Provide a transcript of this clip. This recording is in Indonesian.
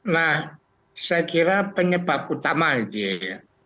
nah saya kira penyebab utama ya